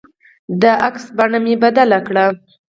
د عکس بڼه مې بدله کړه.